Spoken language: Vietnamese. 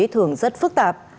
thường rất phức tạp